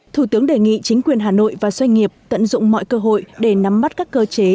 thủ tướng đề nghị chính quyền hà nội và doanh nghiệp tận dụng mọi cơ hội để nắm bắt các cơ chế